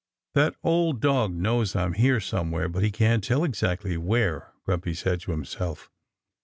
"That old dog knows I'm here somewhere but he can't tell exactly where," Grumpy said to himself.